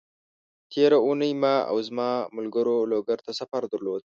تېره اونۍ ما او زما ملګرو لوګر ته سفر درلود،